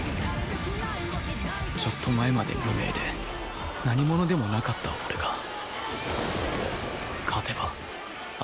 ちょっと前まで無名で何者でもなかった俺が勝てば Ｕ−２０